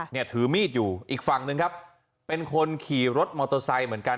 เนี่ยถือมีดอยู่อีกฝั่งหนึ่งครับเป็นคนขี่รถมอเตอร์ไซค์เหมือนกัน